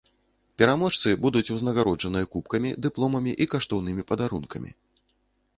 Пераможцы будуць узнагароджаныя кубкамі, дыпломамі і каштоўнымі падарункамі.